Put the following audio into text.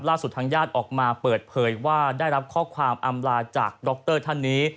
ทางญาติออกมาเปิดเผยว่าได้รับข้อความอำลาจากดรท่านนี้